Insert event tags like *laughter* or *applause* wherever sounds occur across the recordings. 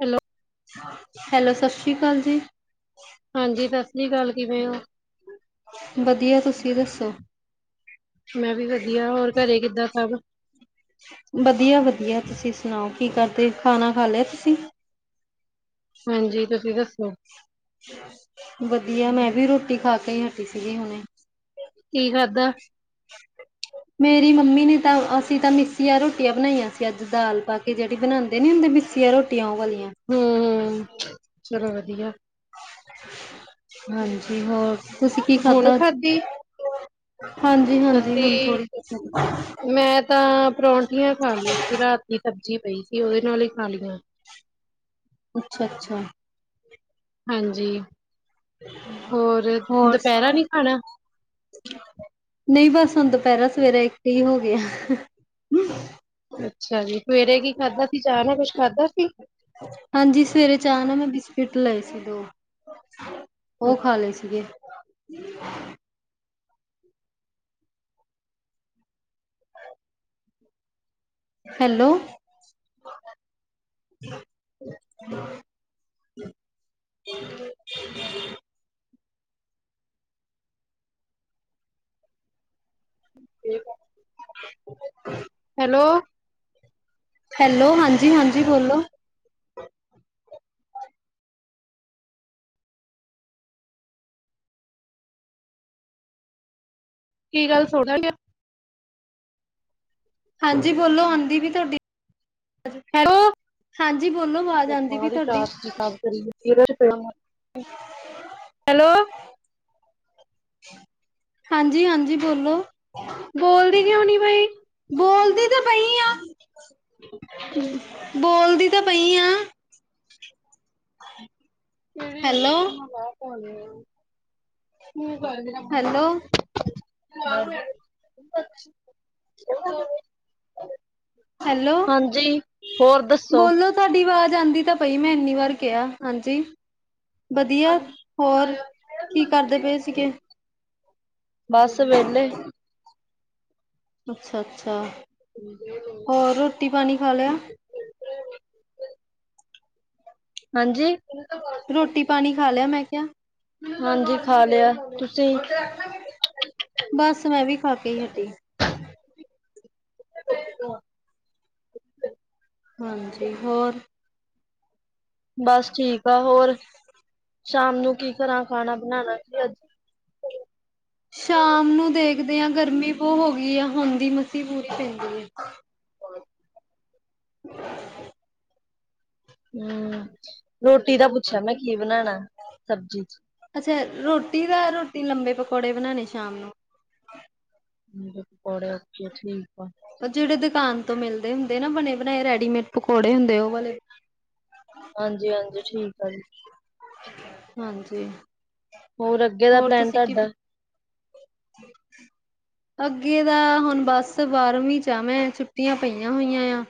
Hello hello ਸਸ ਸ੍ਰੀ ਕਾਲ ਜੀ। ਹਾਂਜੀ ਸਸ ਸ੍ਰੀ ਕਾਲ ਕਿਵੇਂ ਓ? ਵਧੀਆ ਤੁਸੀਂ ਦੱਸੋ? ਮੈਂ ਵੀ ਵਧੀਆ ਹੋਰ ਘਰੇ ਕਿੱਦਾਂ ਸਭ? ਵਧੀਆ-ਵਧੀਆ ਤੁਸੀਂ ਸੁਣਾਓ ਕੀ ਕਰਦੇ ਖਾਣਾ ਖਾ ਲਿਆ ਤੁਸੀਂ? ਹਾਂਜੀ ਤੁਸੀਂ ਦੱਸੋ? ਵਧੀਆ ਮੈਂ ਵੀ ਰੋਟੀ ਖਾ ਕੇ ਈ ਹਟੀ ਸੀਗੀ ਹੁਣੇ। ਕੀ ਖਾਦਾ? ਮੇਰੀ ਮੰਮੀ ਨੇ ਤਾਂ ਅਸੀਂ ਤਾਂ ਮਿੱਸੀਆਂ ਰੋਟੀਆਂ ਬਣਾਈਆਂ ਸੀ ਅੱਜ ਦਾਲ ਪਾ ਤੇ ਕੇ ਜੇੜੀ ਬਣਾਂਦੇ ਨੀ ਹੁੰਦੇ ਮਿੱਸੀਆਂ ਰੋਟੀਆਂ ਓ ਵਾਲੀਆਂ। ਹੂੰ-ਹੂੰ ਚਲੋ ਵਧੀਆ। ਹਾਂਜੀ ਹੋਰ ਤੁਸੀਂ ਕੀ ਹੁਣ ਖਾਧਾ? ਖਾਧੀ ਹਾਂਜੀ-ਹਾਂਜੀ ਅਸੀਂ ਹੁਣ ਥੋੜ੍ਹੀ *unintelligible* ਮੈਂ ਤਾਂ ਪਰੌਂਠੀਆਂ ਖਾ ਲਈਆਂ ਸੀ ਰਾਤ ਦੀ ਸਬਜ਼ੀ ਪਈ ਸੀ ਓਦੇ ਨਾਲ ਈ ਖਾ ਲੀਆਂ। ਅੱਛਾ-ਅੱਛਾ ਹਾਂਜੀ ਹੋਰ ਦੁਪੈਰਾ ਨੀ ਖਾਣਾ? ਨਈ ਬਸ ਹੁਣ ਦੁਪੈਰਾ ਸਵੇਰੇ ਇੱਕ ਈ ਹੋ ਗਿਆ। ਅੱਛਾ ਜੀ ਸਵੇਰੇ ਕੀ ਖਾਧਾ ਸੀ ਚਾਹ ਨਾ ਕੁਛ ਖਾਧਾ ਸੀ? ਹਾਂਜੀ ਸਵੇਰੇ ਚਾਹ ਆ ਨਾ ਮੈਂ ਬਿਸਕਿਟ ਲਏ ਸੀ ਦੋ। ਓ ਖਾ ਲਏ ਸੀਗੇ। ਹੈਲੋ। *inaudible* ਠੀਕ ਆ। *inaudible* ਹੈਲੋ। ਹੈਲੋ ਹਾਂਜੀ-ਹਾਂਜੀ ਬੋਲੋ। ਕੀ ਗੱਲ *unintelligible* ਹਾਂਜੀ ਬੋਲੋ ਔਨਦੀ ਵੀ ਤੁਹਾਡੀ ਹੈਓ *unintelligible* ਹਾਂਜੀ ਬੋਲੋ ਆਵਾਜ਼ ਆਉਂਦੀ ਵੀ ਤੁਹਾਡੀ ਹੈਲੋ। ਹਾਂਜੀ-ਹਾਂਜੀ ਬੋਲੋ। ਬੋਲਦੀ ਕਿਉਂ ਨੀ ਪਈ? ਬੋਲਦੀ ਤਾਂ ਪਈ ਆ। ਬੋਲਦੀ ਤਾਂ ਪਈ ਆ। *inaudible* ਕੇੜੀ ਹੈਲੋ *unintelligible* ਹੈਲੋ *unintelligible* ਹੈਲੋ ਦੱਸੋ ਬੋਲੋ ਤਾਡੀ ਵਾਜ਼ ਆਉਂਦੀ ਤਾਂ ਪਈ ਮੈਂ ਇੰਨੀ ਵਾਰ ਕਿਹਾ ਹਾਂਜੀ ਵਧੀਆ ਹੋਰ ਕੀ ਕਰਦੇ ਪਏ ਸੀਗੇ ਬਸ ਵੇਹਲੇ ਅੱਛਾ - ਅੱਛਾ ਬੋਲੋ। ਹੋਰ ਰੋਟੀ ਪਾਣੀ ਖਾ ਲਿਆ ਹਾਂਜੀ ਰੋਟੀ ਪਾਣੀ ਖਾ ਲਿਆ ਮੈਂ ਕਿਹਾ ਹਾਂਜੀ ਖਾ ਲਿਆ ਤੁਸੀਂ ਬਸ ਮੈਂ ਵੀ ਖਾ ਕੇ ਈ ਹਟੀ ਆ ਹਾਂਜੀ ਹੋਰ ਬਸ ਠੀਕ ਆ ਹੋਰ ਸ਼ਾਮ ਨੂੰ ਕੀ ਕਰਾਂ ਖਾਣਾ ਬਣਾਣਾ ਸੀ ਅੱਜ ਸ਼ਾਮ ਨੂੰ ਦੇਖਦੇ ਆ ਗਰਮੀ ਬਹੁਤ ਹੋ ਗਈ ਆ ਹੋਂਦੀ ਮਸੀ ਪੂਰੀ ਪੈਂਦੀ ਆ *inaudible* ਹੂੰ ਰੋਟੀ ਦਾ ਪੁੱਛਿਆ ਮੈਂ ਕੀ ਬਨਾਣਾ ਸਬਜ਼ੀ ਚ ਅੱਛਾ ਰੋਟੀ ਦਾ ਰੋਟੀ ਲੰਬੇ ਪਕੌੜੇ ਬਣਾਉਣੇ ਸ਼ਾਮ ਨੂੰ ਲੰਬੇ ਪਕੌੜੇ ਅੱਛਾ ਠੀਕ ਆ ਸੱਚੀ ਜਿਹੜੇ ਦੁਕਾਨ ਤੋਂ ਮਿਲਦੇ ਹੁੰਦੇ ਨਾ ਬਣੇ ਬਣਾਏ ਰੈਡੀਮੇਡ ਪਕੌੜੇ ਹੁੰਦੇ ਉਹ ਵਾਲੇ ਹਾਂਜੀ - ਹਾਂਜੀ ਠੀਕ ਆ ਜੀ ਹਾਂਜੀ ਹੋਰ ਅੱਗੇ ਦਾ ਹੋਰ ਪਲੈਨ ਤੁਸੀਂ ਕੀ ਤੁਹਾਡਾ ਅੱਗੇ ਦਾ ਹੁਣ ਬਸ ਬਾਰਵੀਂ ਚ ਆ ਮੈਂ ਛੁੱਟੀਆਂ ਪਈਆਂ ਹੋਈਆਂ ਆ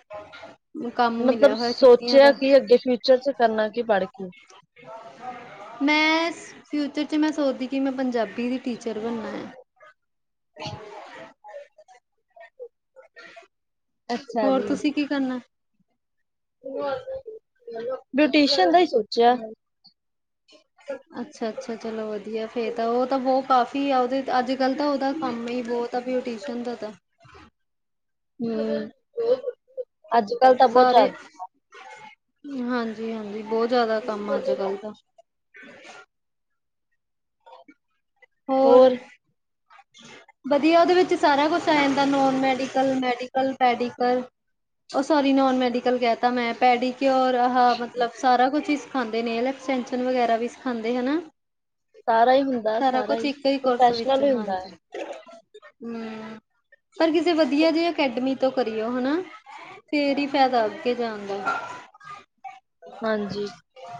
ਕੰਮ ਮਤਲਬ ਮਿਲਿਆ ਹੋਇਆ ਛੁੱਟੀਆਂ ਸੋਚਿਆ ਦਾ ਕਿ ਅੱਗੇ ਫਿਊਚਰ ਚ ਕਰਨਾ ਕੀ ਪੜ ਕੇ ਮੈਂ ਫਿਊਚਰ ਚ ਮੈਂ ਸੋਚਦੀ ਕਿ ਮੈਂ ਪੰਜਾਬੀ ਦੀ ਟੀਚਰ ਬਣਨਾ ਆ ਹ *unintelligible* ਅੱਛਾ ਹੋਰ ਜੀ ਤੁਸੀਂ ਕੀ ਕਰਨਾ ਬਿਊਟੀਸ਼ਨ ਦਾ ਈ ਸੋਚਿਆ ਅੱ *unintelligible* ਅੱਛਾ - ਅੱਛਾ ਚਲੋ ਵਧੀਆ ਫੇਰ ਤਾਂ ਉਹ ਤਾਂ ਬਹੁਤ ਕਾਫੀ ਆ ਉਹਦੇ ਅੱਜ ਕੱਲ੍ਹ ਤਾਂ ਉਹਦਾ ਕੰਮ ਹੀ ਬਹੁਤ ਆ ਬਿਊਟੀਸ਼ਨ ਦੰਦਾਂ ਦਾ ਹੂੰ ਹੋਰ ਸਾਰੇ ਹਾਂਜੀ - ਹਾਂਜੀ ਬਹੁਤ ਜ਼ਿਆਦਾ ਕੰਮ ਆ ਅੱਜ ਕੱਲ ਦਾ ਹੋਰ ਵਧੀਆ ਉਹਦੇ ਵਿੱਚ ਸਾਰਾ ਕੁਛ ਆ ਜਾਂਦਾ ਨੋਨ ਮੈਡੀਕਲ, ਮੈਡੀਕਲ, ਪੈਡੀਕਲ ਉਹ ਸੋਰੀ ਨੋਨ ਮੈਡੀਕਲ ਕਹਿ ਤਾ ਮੈਂ ਪੈਡੀਕਓਰ ਆਹਾ ਮਤਲਬ ਸਾਰਾ ਕੁਛ ਸਿਖਾਂਦੇ ਨੇ ਐਕਸਟੈਂਸ਼ਨ ਵਗੈਰਾ ਵੀ ਸਿਖਾਂਦੇ ਹਨਾ ਸਾਰਾ ਹੀ ਹੁੰਦਾ ਸਾਰਾ ਕੁਛ ਇੱਕ ਹੀ ਕੋਰਸ ਵਿੱਚ ਪ੍ਰੋਫੈਸ਼ਨਲ ਹੀ ਹੁੰਦਾ ਹੈ ਹਾਂਜੀ ਹਮ ਪਰ ਕਿਸੇ ਵਧੀਆ ਜਈ ਅਕੈਡਮੀ ਤੋਂ ਕਰੀਓ ਹਨਾ ਫੇਰ ਹੀ ਫਾਇਦਾ ਅੱਗੇ ਜਾਣ ਦਾ ਹਾਂਜੀ ਹੂੰ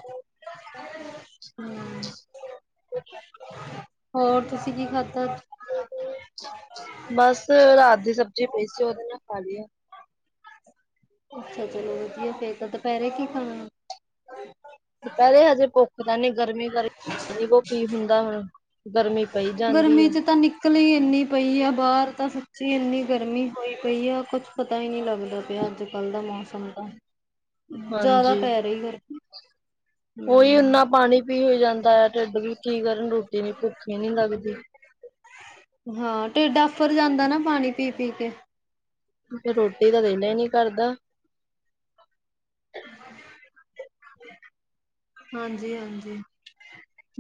ਹੋਰ ਤੁਸੀਂ ਕੀ ਖਾਧਾ ਅੱਜ? *unintelligible* ਬਸ ਰਾਤ ਦੀ ਸਬਜ਼ੀ ਪਈ ਸੀ ਉਹਦੇ ਨਾਲ ਖਾ ਲੀ ਏ। ਅੱਛਾ, ਚਲੋ ਵਧੀਆ ਫੇਰ ਤਾਂ ਦੁਪਹਿਰੇ ਕੀ ਖਾਣਾ? ਦੋਪਹਰੇ ਹਜੇ ਭੁੱਖ ਤਾਂ ਨਹੀਂ ਗਰਮੀ ਕਰਕੇ ਕੋ ਕੀ ਹੁੰਦਾ ਹੁਣ? ਗਰਮੀ ਪਈ ਜਾਂਦੀ ਗਰਮੀ ਆ ਚ ਤਾਂ ਨਿੱ ਕਲੀ ਹੀ ਇੰਨੀ ਪਈ ਆ ਬਾਹਰ ਤਾਂ ਸੱਚੀ ਇੰਨੀ ਗਰਮੀ ਹੋਈ ਪਈ ਆ ਕੁਛ ਪਤਾ ਹੀ ਨਹੀਂ ਲੱਗਦਾ ਪਿਆ ਅੱਜ। ਕਲ ਦਾ ਮੌਸਮ ਤਾਂ ਜ਼ਿਆਦਾ ਹਾਂਜੀ ਪੈ ਰਹੀ ਗਰ ਉਹੀ ਓਨਾ ਪਾਣੀ ਪੀ ਹੀ ਜਾਂਦਾ ਆ, ਢਿੱਡ ਵੀ ਕੀ ਕਰਨ ਰੋਟੀ ਨ ਭੁੱਖੀ ਨਹੀਂ ਲੱਗਦੀ। ਹਾਂ ਟਿਡ ਆਫਰ ਜਾਂਦਾ ਨਾ ਪਾਣੀ ਪੀ-ਪੀ ਕੇ। ਰੋਟੀ ਤਾਂ ਦਿਲ ਹੀ ਨੀ ਕਰਦਾ। ਹਾਂਜੀ-ਹਾਂਜੀ।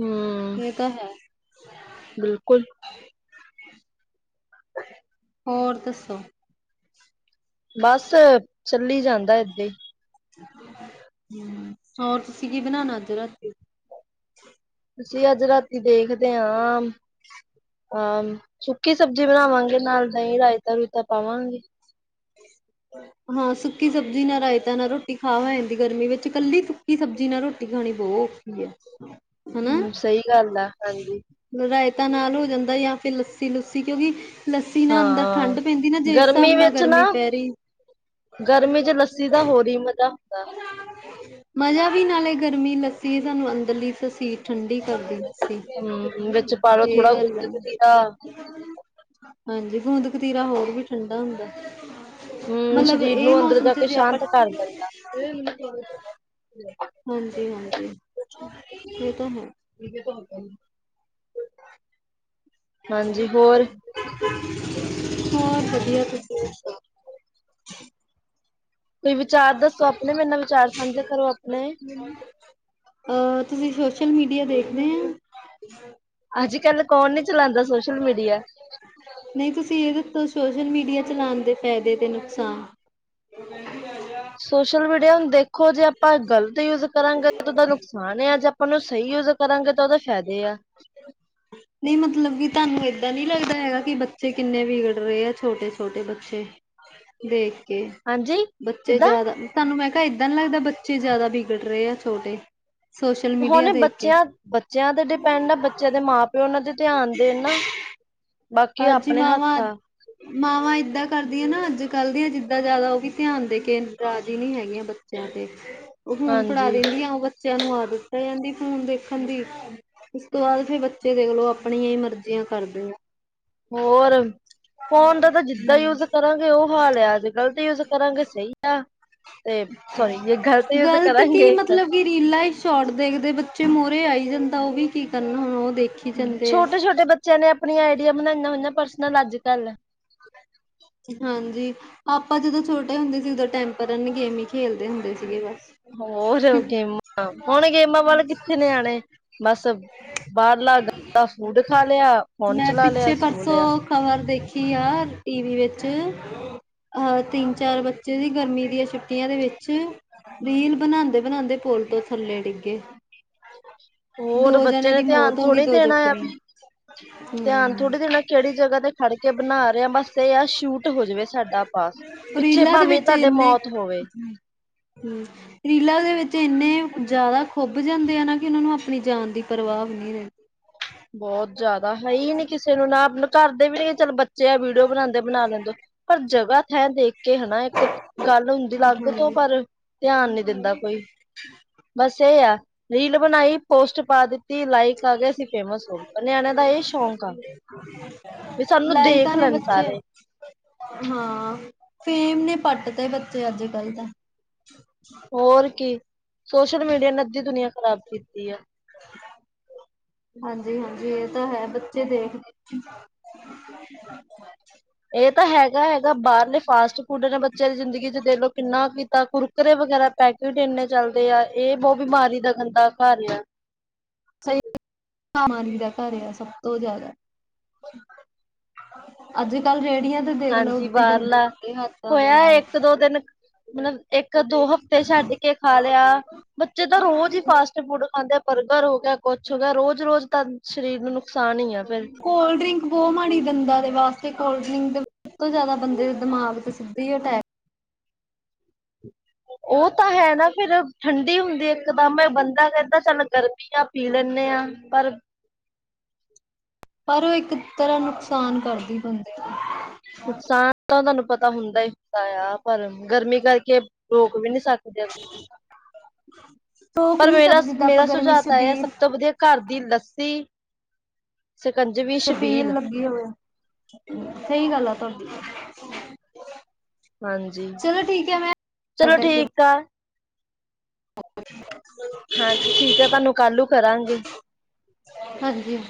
ਹਾ। ਏ ਤਾਂ ਹੈ। ਬਿਲਕੁਲ। ਹੋਰ ਦੱਸੋ? ਬਸ ਚੱਲੀ ਜਾਂਦਾ ਏਦਾਂ ਹੀ। ਹੂੰ, ਹੋਰ ਤੁਸੀਂ ਕੀ ਬਣਾਣਾ ਅੱਜ ਰਾਤੀ? ਅਸੀਂ ਅੱਜ ਰਾਤੀ ਦੇਖਦੇ ਆ। ਹਾਂ, ਸੁੱਕੀ ਸਬਜ਼ੀ ਬਣਾਵਾਂਗੇ ਨਾਲ ਦਹੀਂ ਰਾਇਤਾ-ਰੁਤਾ ਪਾਵਾਂਗੇ। ਹਾਂ, ਸੁੱਕੀ ਸਬਜ਼ੀ ਨਾ ਰਾਇਤਾ ਨਾ ਰੋਟੀ ਖਾਹੀ ਜਾਂਦੀ, ਗਰਮੀ ਵਿੱਚ ਕੱਲੀ ਤੂੰ ਸੂਖੀ ਸਬਜ਼ੀ ਨਾਲ ਰੋਟੀ ਖਾਣੀ ਬੋ ਔਖੀ ਹੈ। ਹੂੰ, ਸਹੀ ਗੱਲ ਆ ਹਾਂਜੀ। ਰਇਤਾਾਂ ਨਾਲ ਹੋ ਜਾਂਦਾ ਜਾਂ ਫਿਰ ਲੱਸੀ-ਲੁੱਸੀ ਕਿਉਂਕਿ ਲੱਸੀ ਨਾਲ ਅੰਦਰ ਹਾਂ ਠੰਢ ਪੈਂਦੀ ਨਾ ਜਿਸ ਹਿਸਾਬ ਗਰਮੀ ਨਾਲ ਵਿੱਚ ਨਾ ਗਰਮੀ ਪੈ ਰਹੀ। ਗਰਮੀ ਚ ਲੱਸੀ ਦਾ ਹੋਰ ਹੀ ਮਜ਼ਾ ਹੁੰਦਾ। ਮਜ਼ਾ ਵੀ ਨਾਲੇ ਗਰਮੀ ਲੱਸੀ ਸਾਨੂੰ ਅੰਦਰਲੀ ਤਸੀਰ ਠੰਡੀ ਕਰਦੀ ਲਸੀ ਹਮ ਵਿੱਚ ਪਾਲੋ ਇਹ ਥੋੜਾ ਗੱਲ ਆ। ਗੁੰਦ ਕਤੀਰਾ ਹਾਂਜੀ, ਗੋਂਦਦ ਕਤੀਰਾ ਹੋਰ ਵੀ ਠੰਡਾ ਹੁੰਦਾ। ਹੂੰ, ਮਤਲਬ ਸਰੀਰ ਇਹ ਨੂੰ ਅੰਦਰ ਮੌਸਮ ਜਾ ਕੇ ਚ ਜੇ ਆਪਾਂ ਸ਼ਾਂਤ ਕਰ ਦੇਗਾ। *unintelligible* ਹਾਂਜੀ-ਹਾਂਜੀ, ਇਹ ਤਾਂ ਹੈ। *unintelligible* ਹਾਂਜੀ, ਹੋਰ। ਹੋਰ ਵਧੀਆ ਤੁਸੀਂ ਸੁਣਾਓ। ਕੋਈ ਵਿਚਾਰ ਦੱਸੋ ਆਪਣੇ, ਮੇਰੇ ਨਾਲ ਵਿਚਾਰ ਸਾਂਝਾ ਕਰੋ ਆਪਣੇ। ਆ ਤੁਸੀਂ ਸੋਸ਼ਲ ਮੀਡੀਆ ਦੇਖਦੇ ਹਾਂ। ਅੱਜ-ਕੱਲ, ਕੌਣ ਨੀ ਚਲਾਦਾ ਸੋਸ਼ਲ ਮੀਡੀਆ। ਨਹੀਂ ਤੁਸੀਂ ਇਹਦੇ ਤੋਂ ਸੋਸ਼ਲ ਮੀਡੀਆ ਚਲਾਣ ਦੇ ਫਾਇਦੇ ਤੇ ਨੁਕਸਾਨ। ਉ ਕਹਿੰਦੀ ਆਇਆ। ਸੋਸ਼ਲ ਮੀਡੀਆ ਹੁਣ ਦੇਖੋ ਜੇ ਆਪਾਂ ਗ਼ਲਤ ਯੂਜ ਕਰਾਂਗੇ ਤਾਂ ਉਹਦਾ ਨੁਕਸਾਨ ਨਾਨ ਆ ਅੱਜ ਆਪਾਂ ਸਹੀ ਯੂਜ ਕਰਾਂਗੇ ਤਾਂ ਉਹਦੇ ਫਾਇਦੇ ਆ। ਨੀ ਮਤਲਬ ਕਿ ਤੁਹਾਨੂੰ ਏਦਾਂ ਨੀ ਲੱਗਦਾ ਹੈਗਾ ਕਿ ਬੱਚੇ ਕਿੰਨੇ ਵਿਗੜ ਰਹੇ ਆ ਛੋਟੇ-ਛੋਟੇ ਬੱਚੇ। ਦੇਖ ਕੇ ਹਾਂਜੀ ਬੱਚੇ ਕਿੱਦਾਂ ਜਿਆਦਾ ਤੁਹਾਨੂੰ ਮੈਂ ਕਿਹਾ ਇੱਦਾਂ ਨੀ ਲੱਗਦਾ ਬੱਚੇ ਜ਼ਿਆਦਾ ਬਿਗੜ ਰਹੇ ਆ ਛੋਟੇ। ਸੋਸ਼ਲ ਮੀਡੀਆ ਹੁਣ ਦੇਖ ਕੇ ਬੱਚਿਆਂ-ਬੱਚਿਆਂ ਤੇ ਡਿਪੈਂਡ ਆ ਬ ਬੱਚੇ ਦੇ ਮਾਂ-ਪਿਓ ਉਨਾਂ ਤੇ ਧਿਆਨ ਦੇਣ ਨਾ, ਬਾਕੀ ਹਾਂਜੀ ਆਪਣੇ ਹੱਥ ਮਾਵਾਂ ਆ। ਮਾਵਾਂ ਏਦਾਂ ਕਰਦੀਆਂ ਨਾ ਅੱਜ-ਕੱਲ ਦੀਆਂ ਜਿੱਦਾਂ ਜ਼ਿਆਦਾ ਉਹ ਵੀ ਧਿਆਨ ਦੇ ਕੇ ਰਾਜੀ਼ ਨੀ ਹੈਗੀਆਂ ਬ ਬੱਚੇਆਂ ਤੇ, ਓ ਫੂਨ ਫੜਾ ਹਾਂਜੀ ਦਿੰਦੀਆਂ ਓ ਬੱਚੇਆਂ ਨੂੰ ਆਦਤ ਪੈ ਜਾਂਦੀ ਫੂਨ ਦੇਖਣ ਦੀ ਉਸ ਤੋਂ ਬਾਦ ਫੇਰ ਬੱਚੇ ਦੇਖਲੋ ਆਪਣੀਆਂ ਈ ਮਰਜੀਆਂ ਕਰਦੇ ਆ। ਹੋਰ, ਫੋਨ ਦਾ ਤਾਂ ਜਿੱਦਾ ਯੂਜ਼ ਕਰਾਂਗੇ ਓ ਹਾਲ ਏਆ ਜੇ ਗਲਤ ਯੂਜ਼ ਕਰਾਂਗੇ ਸਈ ਆ ਤੇ ਸੋਰੀ ਜੇ ਗਲਤ ਯੂਜ਼ ਗ਼ਲਤ ਕੀ ਕਰਾਂਗੇ ਤਾਂ ਮਤਲਬ ਕਿ ਰੀਲਾਂ ਈ ਸ਼ੋਟ ਦੇਖਦੇ ਬੱਚੇ ਮੂਰੇ ਆਈ ਜੰਦਾ ਓ ਵੀ ਕੀ ਕਰਨ ਹੁਨ ਓ ਦੇਖੀ ਜਾਂਦੇ ਆ ਛੋਟੇ-ਛੋਟੇ ਬੱਚੇਆਂ ਨੇ ਆਪਨੀਆਂ ਆਈਡੀਆ ਬਣਾਈਆਂ ਹੋਈਆਂ ਪਰਸਨਲ ਅੱਜ-ਕੱਲ। *inaudible* ਹਾਂਜੀ। ਆਪਾਂ ਜਦੋਂ ਛੋਟੇ ਹੁੰਦੇ ਸੀ ਓਦੋਂ ਟੈਂਪਰਨ ਗੇਮ ਈ ਖੇਲਦੇ ਹੁੰਦੇ ਸੀਗੇ ਬਸ। ਹੋਰ ਗੇਮਾਂ, ਹੁਣ ਗੇਮਾਂ ਵੱਲ ਕਿੱਥੇ ਨਿਆਣੇ ਬਸ ਬਾਰਲਾ ਗੰਦਾ ਫੂਡ ਖਾ ਲਿਆ, ਫੋਨ ਚਲਾ ਲਿਆ, ਸੋ ਲਿਆ। ਖਬਰ ਦੇਖੀ ਆ ਟੀ ਵੀ ਵਿੱ ਚ ਅਹ ਤਿੰਨ-ਚਾਰ ਬੱਚੇ ਦੀ ਗਰਮੀਆਂ ਦੀਆਂ ਛੁੱਟੀਆਂ ਦੇ ਵਿੱਚ ਰੀਲ ਬਨਾਂਦੇ-ਬਨਾਂਦੇ ਪੁਲ ਤੋਂ ਥੱਲੇ ਡਿੱਗੇ। *inaudible* ਹੋਰ ਦੋ ਬੱਚੇਆਂ ਜਣਿਆਂ ਨੇ ਦੀ ਧਿਆਨ ਮੌਤ ਹੋ ਗਈ ਥੋੜੀ ਦੋ ਦੇਣਾ ਆ ਜ਼ਖਮੀ ਵੀ, ਧਿਆਨ ਹਮ ਥੋੜੀ ਦੇਣਾ ਕੇੜੀ ਜਗਾ ਤੇ ਖੜ ਕੇ ਬਣਾ ਰੇਆਂ ਬਸ ਏ ਆ ਸ਼ੂਟ ਟ ਹੋ ਜਵੇ ਸਾਡਾ ਬਸ, ਪਿੱਛੇ ਰੀਲਾਂ ਦੇ ਭਾਵੇਂ ਵਿੱਚ ਤੁਆਡੇ ਇੰਨੇ ਮੌਤ ਹੋਵੇ। ਹੂੰ। ਰੀਲਾ ਦੇ ਵਿੱਚ ਇੰਨੇ ਜ਼ਾਦਾ ਖੁੱਬ ਜਾਂਦੇ ਆ ਨਾ ਕਿ ਓਨਾਂ ਨੂੰ ਆਪਣੀ ਜਾਨ ਦੀ ਪਰਵਾਹ ਵ ਨੀ ਰੈਂਦੀ। ਬੋਤ ਜਾਦਾ ਹੈ ਈ ਨੀ ਕਿਸੇ ਨੂੰ ਨਾ ਆਪਨੇ ਘਰਦੇ ਵੀ ਨੀ ਚਲ ਬੱਚੇ ਆ ਵੀਡੀਓ ਬਨਾਦੇ ਬਣਾ ਲੈਂਨ ਦੋ ਪਰ ਜਗਾ ਥੇ ਦੇਖ ਕੇ ਹਨਾ ਇੱਕ ਗੱਲ ਹੁੰਦੀ ਅਲੱਗ ਤੋਂ ਹਾਂਜੀ। ਪਰ ਧਿਆਨ ਨੀ ਦਿੰਦਾ ਕੋਈ। *inaudible* ਬਸ ਏ ਆ ਰੀਲ ਬਣਾਈ ਪੋਸਟ ਪਾ ਦਿੱਤੀ ਲਾਈਕ ਆ ਗਏ ਸੀ। ਸੁਣ ਪਰ ਨਿਆਣਿਆਂ ਦਾ ਏ ਸ਼ੌਕ ਆ। ਵੀ ਸਾਨੂੰ ਲਾਇਕਾ ਦੇਖ ਨੇ ਲੈਣ ਬੱਚੇ ਸਾਰੇ ਹਾਂ ਫੇਮ ਨੇ ਪੱਟ ਤੇ ਬੱਚੇ ਅੱਜ-ਕੱਲ ਤਾਂ। ਹੋਰ ਕੀ ਸੋਸ਼ਲ ਮੀਡੀਆ ਨੇ ਅੱਦੀ ਦੁਨੀਆਂ ਖਰਾਬ ਕੀਤੀ ਆ। *inaudible* ਹਾਂਜੀ-ਹਾਂਜੀ ਏ ਤਾਂ ਹੈ ਬੱਚੇ ਦੇਖਦੇ ਏ ਤਾਂ ਹੈਗਾ-ਹੈਗਾ ਬਾਰਲੇ ਫਾਸਟ ਫੂਡ ਨੇ ਬੱਚੇਆਂ ਦੀ ਜ਼ਿੰਦਗੀ ਚ ਦੇਖਲੋ ਕਿੰਨਾ ਕੀਤਾ ਕੁ ਕੁਰਕਰੇ ਵਗੈਰਾ ਪੈਕੇਟ ਇੰਨੇ ਚੱਲਦੇ ਆ ਏ ਬੋਹ ਬਿਮਾਰੀ ਦਾ ਗੰਦਾ ਘਰ ਏਆ। ਸਈ ਬਮਾਰੀ ਦਾ ਘਰ ਆ ਸਬ ਤੋਂ ਜਾਅਦਾ। ਅੱਜ-ਕੱਲ ਰੇਡੀਆਂ ਤੇ ਦੇਖਲੋ ਹਾਂਜੀ ਓਦਾ ਈ ਬਾਹਰਲਾ ਗੰਦੇ-ਮੰਦੇ ਹੱਥਾਂ ਦੇ ਹੋਇਆ ਨਾਲ। ਇੱਕ ਦੋ ਦਿਨ ਮਤਲਬ ਇੱਕ ਦੋ ਹਫ਼ਤੇ ਛੱਡ ਕੇ ਖਾ ਲਿਆ, ਬੱਚੇ ਤਾਂ ਰੋਜ਼ ਈ ਫਾਸਟ ਫੂਡ ਖਾਂਦੇ ਆ ਬਰਗਰ ਹੋ ਗਿਆ ਕੁਛ ਹੋਗਿਆ ਰੋਜ਼-ਰੋਜ਼ ਤਾਂ ਸ਼ਰੀਰ ਨੂੰ ਨੁਕਸਾਨ ਈ ਆ। ਫਿਰ ਕੋਲਡ ਡਰਿੰਕ ਬੋਹ ਮਾੜੀ ਦੰਦਾ ਦੇ ਵਾਸਤੇ ਕੋਲਡ ਡਰਿੰਕ ਸਬ ਤੋਂ ਜ਼ਾਅਦਾ ਬੰਦੇ ਦੇ ਦਿਮਾਗ ਤੇ ਸਿੱਧੇ ਈ ਅਟੈਕ ਓ ਤਾਂ ਹੈ ਨਾ ਫੇਰ ਠੰਡੀ ਹੁੰਦੀ ਐ ਇੱਕਦਮ ਬੰਦਾ ਕੈਂਦਾ ਚੱਲ ਗਰਮੀ ਆ ਪੀ ਲੈਨੇ ਆ। ਪਰ ਪਰ ਓ ਇੱਕ ਤਰਾਂ ਨੁਕਸਾਨ ਕਰਦੀ ਬੰਦੇ ਨੂੰ। ਨੁਕਸਾਨ ਤਾਂ ਤੁਆਨੂੰ ਪਤਾ ਹੁੰਦਾ ਹੀ ਹੁੰਦਾ ਏਆ ਪਰ ਗਰਮੀ ਕਰਕੇ ਰੋਕ ਵੀ ਨੀ ਸਕਦੇ। *inaudible* ਪਰ ਨੀ ਸਭ ਜਿੱਦਾਂ ਆਪਾਂ ਮੇਰਾ-ਮੇਰਾ ਗਰਮੀ ਚ ਸੁਝਾਅ ਤਾਂ ਏਆ ਸਬ ਛਬੀਲ ਤੋਂ ਵਦੀਆ ਘਰ ਦੀ ਲੱਸੀ। ਸ਼ਿਕੰਜਵੀ, ਸ਼ਬੀਲ। ਕੀ ਹੋਇਆ। ਸਹੀ ਗੱਲ ਆ ਤੁਹਾਡੀ। ਹਾਂਜੀ ਚਲੋ ਠੀਕ ਆ ਮੈਂ ਕਾਲ ਚਲੋ ਕਰਤੀ ਹੂ ਠੀਕ ਆ ਹਾਂਜੀ ਠੀਕ ਆ ਤੁਹਾਨੂੰ ਕੱਲ ਨੂੰ ਕਰਾਂਗੇ *unintelligible* ਹਾਂਜੀ ਹ।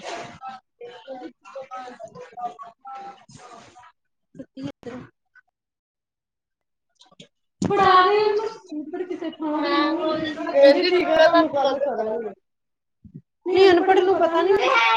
*unintelligible* *unintelligible* ਫੜਾ ਦੇ ਉਹਨੂੰ। ਭੈਣ ਜੀ ਠੀਕ ਆ ਤੁਹਾਨੂੰ ਕੱਲ ਕਰਾਂਗੀ ਨਹੀਂ ਅਨਪੜ੍ਹੇ ਨੂੰ ਪਤਾ ਨੀ ਲਗਦਾ